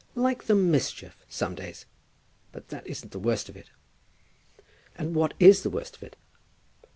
"Like the mischief, some days. But that isn't the worst of it." "And what is the worst of it?"